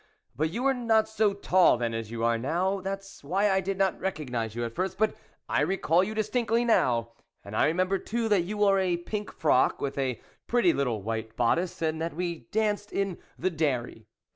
but you were not so tall then as you are now, that's why I did not recognise you at first, but I recall you distinctly now. And I remember too that you wore a pink frock, with a pretty little white bodice, and that we danced in the dairy.